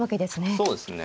そうですね。